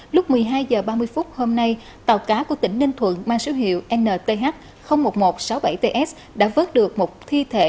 lúc một mươi hai h ba mươi hôm nay tàu cá của tỉnh ninh thuận mang số hiệu nh một nghìn một trăm sáu mươi bảy ts đã vớt được một thi thể